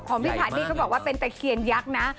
อ๋อของพี่ผ่านนี้เขาบอกว่าเป็นตะเคียนยักษ์นะ